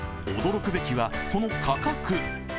驚くべきはその価格。